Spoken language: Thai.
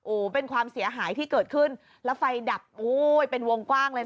โอ้โหเป็นความเสียหายที่เกิดขึ้นแล้วไฟดับโอ้ยเป็นวงกว้างเลย